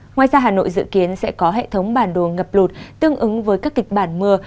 ngoài ra hà nội dự kiến sẽ có hệ thống bản đồ ngập lụt tương ứng với các kịch bản mưa